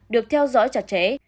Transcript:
được theo dõi chặt chẽ